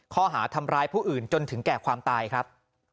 ข้อหาทำร้ายผู้อื่นจนถึงแก่ความตายครับ